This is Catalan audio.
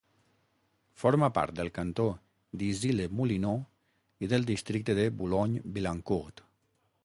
Forma part del cantó d'Issy-les-Moulineaux i del districte de Boulogne-Billancourt.